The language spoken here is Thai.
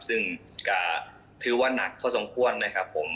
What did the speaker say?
ซึ่งก็ถือว่านักพอสมควรนะครับผม